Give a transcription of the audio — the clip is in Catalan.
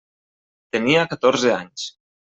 Tenia catorze anys.